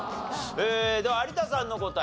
では有田さんの答え。